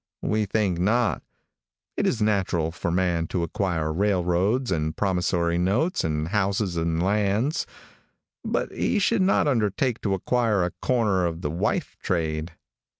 We think not. It is natural for man to acquire railroads and promissory notes and houses and lands, but he should not undertake to acquire a corner on the wife trade.